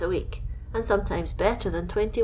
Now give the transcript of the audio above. a week, and sometimes better than 21 «.